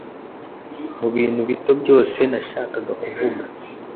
mubintu bito byose nashakaga kuvuga ....